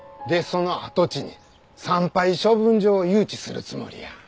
でその跡地に産廃処分場を誘致するつもりや。